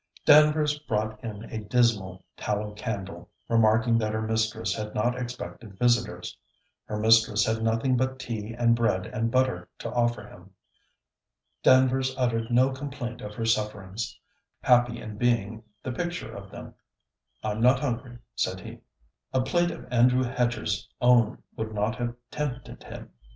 Danvers brought in a dismal tallow candle, remarking that her mistress had not expected visitors: her mistress had nothing but tea and bread and butter to offer him. Danvers uttered no complaint of her sufferings; happy in being the picture of them. 'I'm not hungry,' said he. A plate of Andrew Hedger's own would not have tempted him.